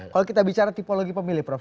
kalau kita bicara tipologi pemilih prof